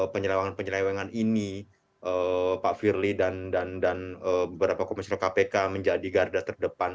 penyelewangan penyelewangan ini pak firly dan dan dan beberapa komisil kpk menjadi garda terdepan